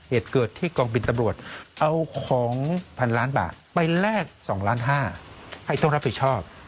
เหตุเกิดที่กองบินตำรวจเอาของ๑๐๐ล้านบาทไปแลก๒ล้าน๕ให้ต้องรับผิดชอบ